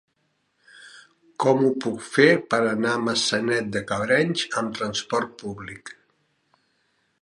Com ho puc fer per anar a Maçanet de Cabrenys amb trasport públic?